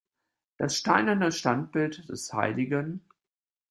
Das steinerne Standbild des Hl.